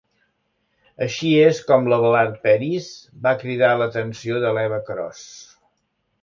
Així és com l'Abelard Peris va cridar l'atenció de l'Eva Cros.